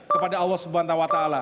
kepada allah swt